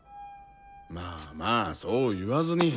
まあまあそう言わずに。